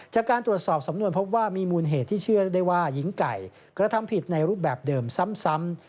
จากการตรวจสอบสำนวนพบว่ามีมูลเหตุที่เชื่อได้ว่าหญิงไก่กระทำผิดในรูปแบบเดิมซ้ำ